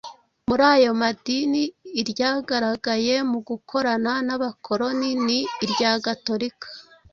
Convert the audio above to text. Muri ayo madini iryagaragaye mu gukorana n'abakoloni ni irya gatolika